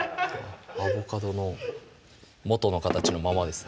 アボカドの元の形のままです